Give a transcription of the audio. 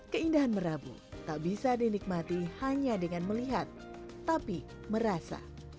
keindahan merabu tak bisa dinikmati hanya dengan melihat tapi merasa